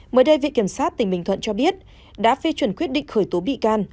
mới đây vị kiểm soát tỉnh bình thuận cho biết đã phê chuẩn quyết định khởi tố bị can